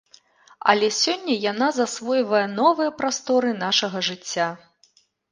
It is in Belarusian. Але сёння яна засвойвае новыя прасторы нашага жыцця.